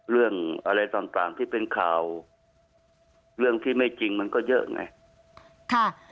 เรื่องอะไรต่างที่เป็นข่าวเรื่องที่ไม่จริงมันก็เยอะไง